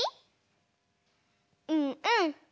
うんうん。